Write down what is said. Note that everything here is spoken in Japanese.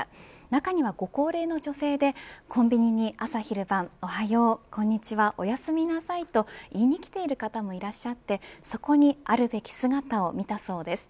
中には、ご高齢の女性でコンビニに朝、昼、晩おはよう、こんにちはおやすみなさいと言いに来ている方もいらっしゃってそこにあるべき姿を見たそうです。